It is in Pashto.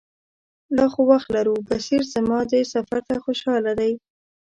لا خو وخت لرو، بصیر زما دې سفر ته خوشاله دی.